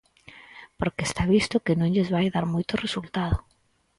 Porque está visto que non lles vai dar moito resultado.